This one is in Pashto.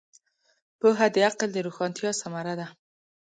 پوهه د عقل د روښانتیا ثمره ده.